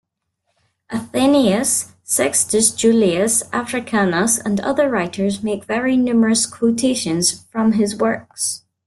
Athenaeus, Sextus Julius Africanus and other writers make very numerous quotations from his works.